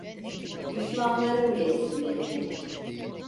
Düşmanlarım gezsin benim yerime.